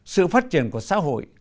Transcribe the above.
sự phát triển của xã hội